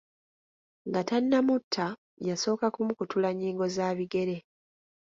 Nga tannamutta, yasooka kumukutula nnyingo za bigere.